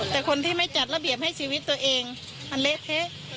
แต่คนที่ไม่จัดระเบียบให้ชีวิตตัวเองมันเละเทะ